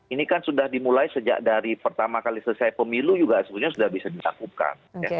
ini kan sudah dimulai sejak dari pertama kali selesai pemilu juga sebenarnya sudah bisa disakupkan